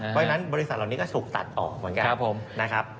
เพราะฉะนั้นบริษัทเหล่านี้ก็ถูกตัดออกเหมือนกันนะครับ